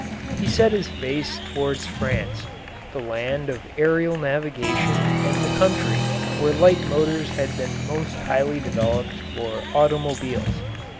He set his face toward France, the land of aerial navigation and the country where light motors had been most highly developed for automobiles.